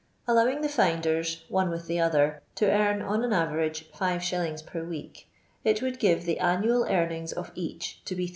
Allowing the finders, one with the other, to earn on an average 5«. per week, it would give tiie ■anoal earnings of each to be 13